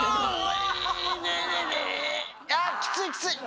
あっきついきつい！